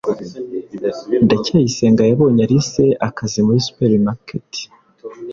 ndacyayisenga yabonye alice akazi muri supermarket